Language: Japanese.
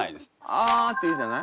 「あ」って言うじゃない？